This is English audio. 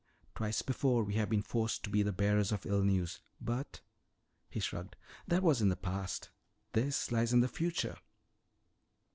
Twice before have we been forced to be the bearers of ill news, but " he shrugged, "that was in the past. This lies in the future."